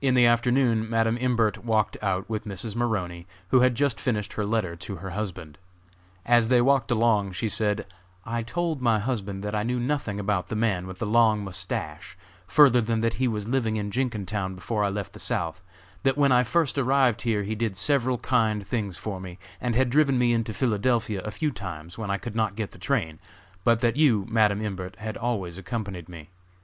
In the afternoon Madam Imbert walked out with Mrs. Maroney, who had just finished her letter to her husband. As they walked along she said, "I told my husband that I knew nothing about the man with the long mustache further than that he was living in Jenkintown before I left the South; that when I first arrived here he did several kind things for me, and had driven me into Philadelphia a few times when I could not get the train, but that you, Madam Imbert, had always accompanied me.